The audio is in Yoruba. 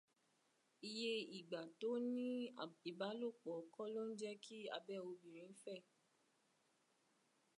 Ìye ìgbà tóo ní ìbálòpọ̀ kọ́ ló ń jẹ́ kí abẹ́ obìnrin fẹ̀.